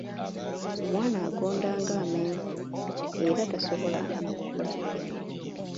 Omwana agonda ng'amenvu era tasobola na kukola mirimu.